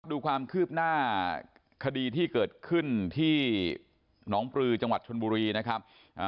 ดูความคืบหน้าคดีที่เกิดขึ้นที่หนองปลือจังหวัดชนบุรีนะครับ